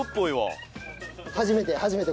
初めて。